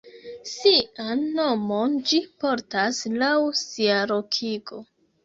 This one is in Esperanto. Sian nomon ĝi portas laŭ sia lokigo.